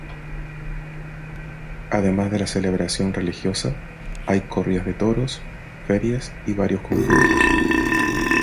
Además de la celebración religiosa, hay corridas de toros, ferias y varios concursos.